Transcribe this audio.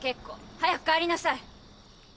早く帰りなさい。